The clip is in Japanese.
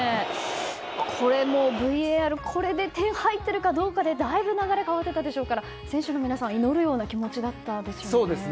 これもＶＡＲこれで点が入ってるかどうかでだいぶ流れが変わっていたでしょうから選手の皆さん祈るような気持ちだったでしょうね。